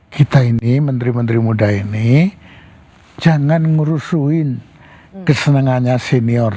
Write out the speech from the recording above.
kita ini menteri menteri muda ini jangan ngerusuin kesenangannya senior